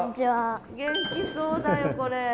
元気そうだよこれ。